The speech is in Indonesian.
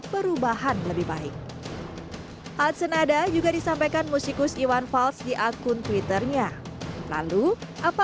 perubahan lebih baik hadsen ada juga disampaikan musikus iwan fals di akun twitter nya lalu apa